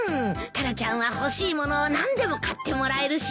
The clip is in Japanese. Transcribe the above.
タラちゃんは欲しい物を何でも買ってもらえるし。